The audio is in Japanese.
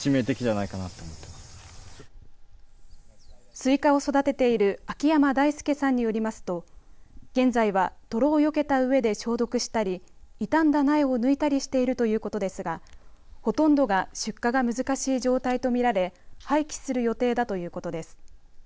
すいかを育てている秋山大輔さんによりますと現在は泥をよけたうえで消毒したり傷んだ苗を抜いたりしているということですがほとんどが出荷が難しい状態と見られ廃棄する予定だということです。